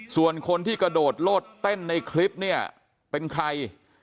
ส่วนคนที่กระโดดโลดเต้นในคลิปเนี่ยเป็นใคร